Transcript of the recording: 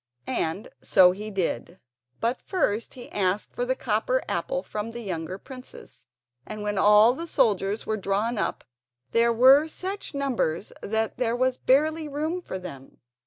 And so he did; but first he asked for the copper apple from the younger princess, and when all the soldiers were drawn up there were such numbers that there was barely room for them.